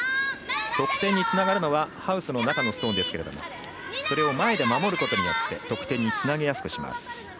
得点につながるのはハウスの中のストーンですけどもそれを前で守ることによって得点につなげやすくします。